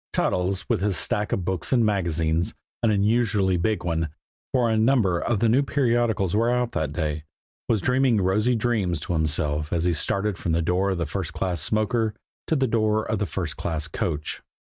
Toddles, with his stack of books and magazines, an unusually big one, for a number of the new periodicals were out that day, was dreaming rosy dreams to himself as he started from the door of the first class smoker to the door of the first class coach.